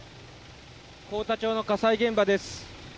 幸田町の火災現場です。